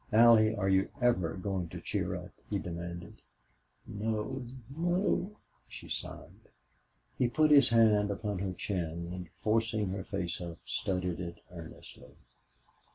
"Allie, are you ever going to cheer up?" he demanded. "No no," she sighed. He put his hand under her chin, and, forcing her face up, studied it earnestly.